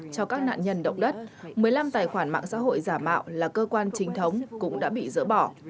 cho các nạn nhân động đất một mươi năm tài khoản mạng xã hội giả mạo là cơ quan trình thống cũng đã bị dỡ bỏ